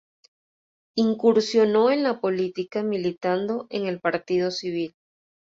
Incursionó en la política militando en el Partido Civil.